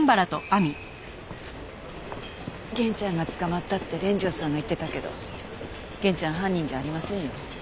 源ちゃんが捕まったって連城さんが言ってたけど源ちゃん犯人じゃありませんよ。